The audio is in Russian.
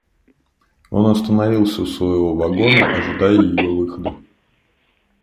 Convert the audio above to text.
Он остановился у своего вагона, ожидая ее выхода.